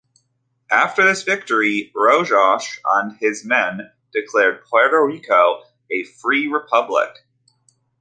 After this victory, Rojas and his men declared Puerto Rico a free Republic.